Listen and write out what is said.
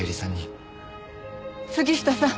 杉下さん